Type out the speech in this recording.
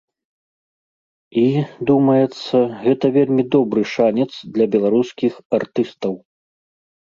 І, думаецца, гэта вельмі добры шанец для беларускіх артыстаў.